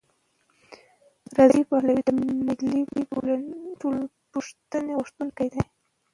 رضا پهلوي د ملي ټولپوښتنې غوښتونکی دی.